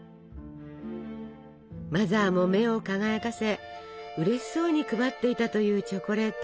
マザーも目を輝かせうれしそうに配っていたというチョコレート。